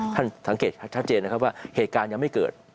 สังเกตชัดเจนนะครับว่าเหตุการณ์ยังไม่เกิด